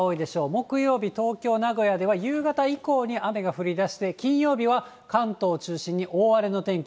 木曜日、東京、名古屋では夕方以降に雨が降りだして、金曜日は関東中心に大荒れの天気。